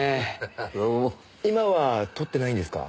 今は撮ってないんですか？